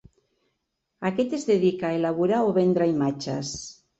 Aquest es dedica a elaborar o vendre imatges.